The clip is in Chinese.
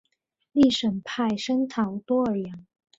利什派森陶多尔扬。